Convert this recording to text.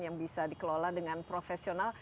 yang bisa dikelola dengan profesional